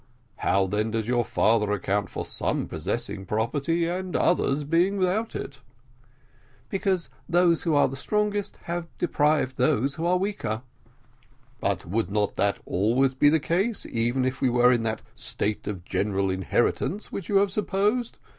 "How then does your father account for some possessing property and others being without it?" "Because those who are the strongest have deprived those who are weaker." "But would not that be always the case even if we were in that state of general inheritance which you have supposed.